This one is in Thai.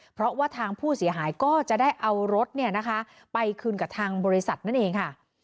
เพราะว่าทางผู้เสียหายก็จะได้เอารถไปคืนกับทางบริษัทนั่นเองค่ะ